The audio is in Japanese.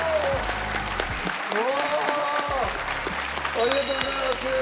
ありがとうございます！